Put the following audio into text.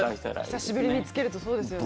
久しぶりにつけるとそうですよね。